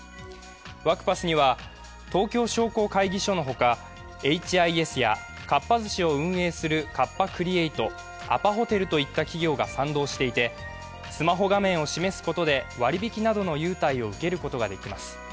ワクパスには東京商工会議所のほか、エイチ・アイ・エスやかっぱ寿司を運営するカッパ・クリエイト、アパホテルといった企業が賛同していてスマホ画面を示すことで割引などの優待をうけることができます。